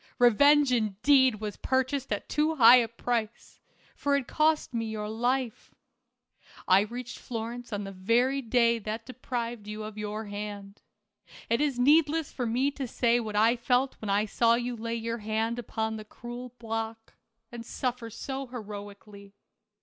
Revenge, indeed, was purchased at too high a price, for it had cost me your life. I reached Florence on the very day that deprived you of your hand. It is needless for me to say what I felt when I saw you lay your hand upon the cruel block, and suffer so heroically.